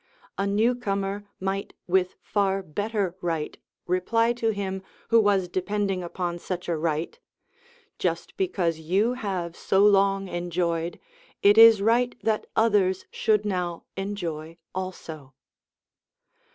A new comer might with far better right reply to him who was depending upon such a right, "Just because you have so long enjoyed, it is right that others should now enjoy also."